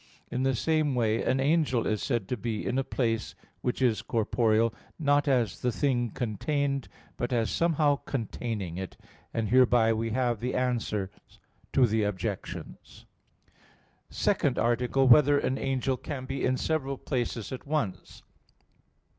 In the same way an angel is said to be in a place which is corporeal, not as the thing contained, but as somehow containing it. And hereby we have the answers to the objections. _______________________ SECOND ARTICLE [I, Q. 52, Art. 2] Whether an Angel Can Be in Several Places at Once?